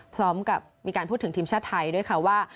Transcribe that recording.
พร้อมกับมีการพูดถึงทีมชาติไทยด้วยค่ะว่า